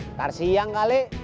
ntar siang kali